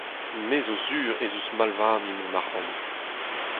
Me ’zo sur ez eus mall warni mont ac’hann.